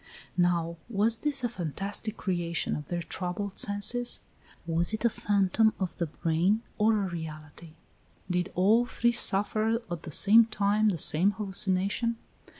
Now, was this a fantastic creation of their troubled senses? Was it a phantom of the brain, or a reality? Did all three suffer at the same time the same hallucination?